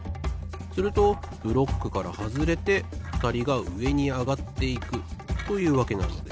するとブロックからはずれてふたりがうえにあがっていくというわけなのです。